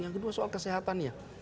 yang kedua soal kesehatannya